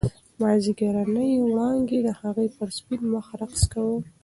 مازیګرنۍ وړانګې د هغې پر سپین مخ رقص کاوه.